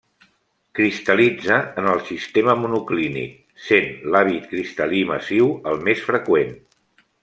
Cristal·litza en el sistema monoclínic, sent l'hàbit cristal·lí massiu el més freqüent.